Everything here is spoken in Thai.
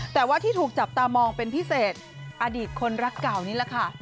แต่ว่าที่ถูกจับตามองเป็นพิเศษอดีตคนรักเก่านี่แหละค่ะ